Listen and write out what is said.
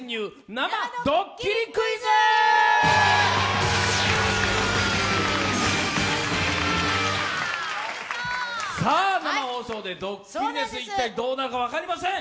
生ドッキリクイズ！生放送でドッキリです、一体どうなるか分かりません。